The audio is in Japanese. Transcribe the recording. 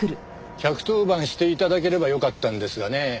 １１０番して頂ければよかったんですがね。